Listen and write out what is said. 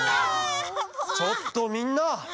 ちょっとみんな！